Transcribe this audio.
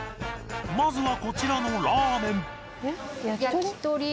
まずはこちらのラーメン。